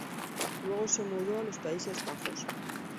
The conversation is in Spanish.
Luego se mudó a los Países Bajos.